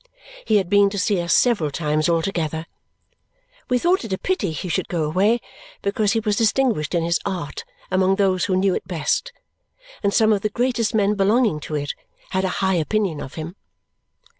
He had been to see us several times altogether. We thought it a pity he should go away. Because he was distinguished in his art among those who knew it best, and some of the greatest men belonging to it had a high opinion of him.